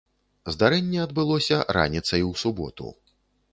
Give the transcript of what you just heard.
Здарэнне адбылося раніцай у суботу.